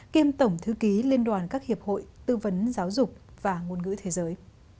kiêm tổng thư ký liên đoàn các hiệp hội tư vấn giáo dục và ngôn ngữ thế giới